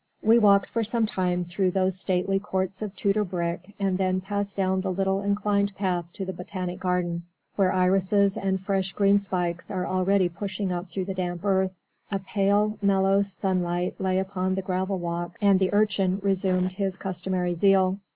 We walked for some time through those stately courts of Tudor brick and then passed down the little inclined path to the botanic garden, where irises and fresh green spikes are already pushing up through the damp earth. A pale mellow sunlight lay upon the gravel walks and the Urchin resumed his customary zeal.